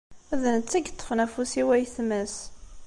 D netta i iṭṭfen afus i wayetma-s.